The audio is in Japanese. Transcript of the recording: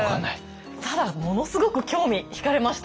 ただものすごく興味ひかれましたね。